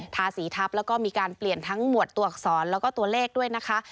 ทาสีทับแล้วก็มีการเปลี่ยนทั้งหมวดตัวอักษรแล้วก็ตัวเลขด้วยนะคะ